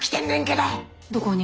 どこに？